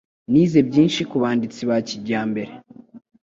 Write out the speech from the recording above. Nize byinshi kubanditsi ba kijyambere.